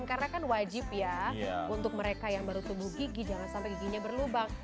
karena kan wajib ya untuk mereka yang baru tubuh gigi jangan sampai giginya berlubang